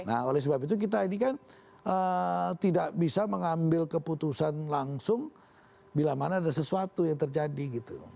nah oleh sebab itu kita ini kan tidak bisa mengambil keputusan langsung bila mana ada sesuatu yang terjadi gitu